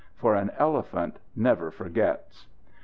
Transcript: For an elephant never forgets.